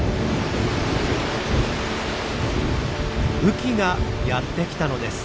雨季がやって来たのです。